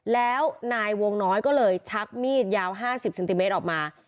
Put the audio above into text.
แล้วนายวงน้อยก็เลยชักมีดยาว๕๐เซนติเมตรออกมา